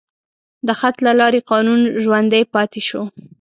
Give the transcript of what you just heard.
د خط له لارې قانون ژوندی پاتې شو.